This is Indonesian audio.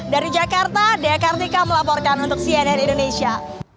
dari jakarta dekartika melaporkan untuk cnn indonesia